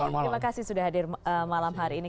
terima kasih sudah hadir malam hari ini